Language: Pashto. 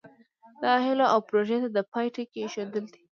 دغو هیلو او پروژو ته د پای ټکی ایښودل دي.